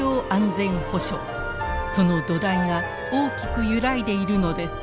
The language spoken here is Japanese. その土台が大きく揺らいでいるのです。